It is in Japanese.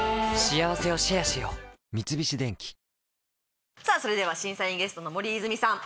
三菱電機それでは審査員ゲストの森泉さん。